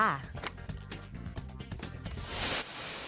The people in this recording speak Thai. นอกจากพี่บอยพี่เกษแล้วมีกระทิงนี่แหละที่สนิท